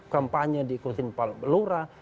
kampanye diikuti oleh lelura